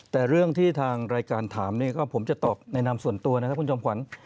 แต่เรื่องที่ทางรายการถามเนี่ยก็ผมจะตอบในนามส่วนตัวนะครับคุณจอมขวัญ